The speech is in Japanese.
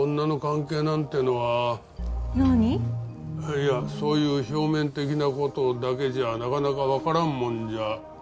いやそういう表面的な事だけじゃなかなかわからんもんじゃ。